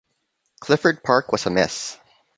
Clifford Park was a mess.